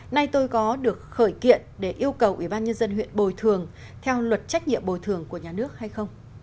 nay tôi có được khởi kiện để yêu cầu ủy ban nhân dân huyện bồi thường theo luật trách nhiệm bồi thường của nhà nước hay không